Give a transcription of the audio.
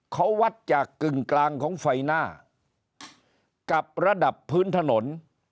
เขาวัดจากกึ่งกลางของไฟหน้ากับระดับพื้นถนน